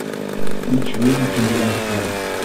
Each room can be entered once.